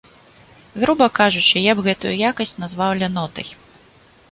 Груба кажучы, я б гэтую якасць назваў лянотай.